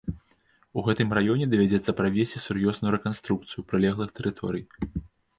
У гэтым раёне давядзецца правесці сур'ёзную рэканструкцыю прылеглых тэрыторый.